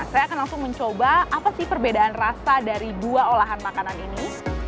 saya akan langsung mencoba apa sih perbedaan rasa dari dua olahan makanan ini